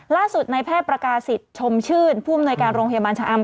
ในแพทย์ประกาศิษย์ชมชื่นผู้อำนวยการโรงพยาบาลชะอำ